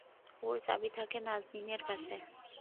ওর চাবি থাকে নাজনীনের কাছে।